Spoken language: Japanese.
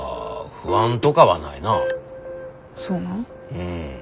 うん。